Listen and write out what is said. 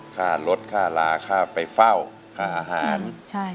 ค่ารถค่าลาค่าไปเฝ้าค่าอาหาร